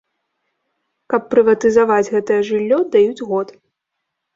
Каб прыватызаваць гэтае жыллё, даюць год.